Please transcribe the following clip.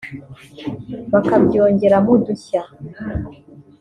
bakabyongeramo udushya